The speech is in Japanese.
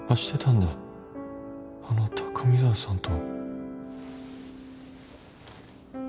あの高見沢さんと